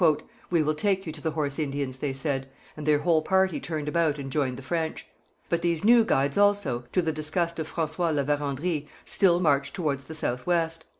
'We will take you to the Horse Indians,' they said, and their whole party turned about and joined the French. But these new guides also, to the disgust of François La Vérendrye, still marched towards the south west.